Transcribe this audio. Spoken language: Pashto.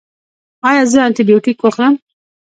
ایا زه انټي بیوټیک وخورم؟